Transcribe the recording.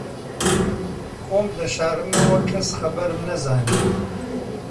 خۆم دەشارمەوە کەس خەبەرم نەزانێ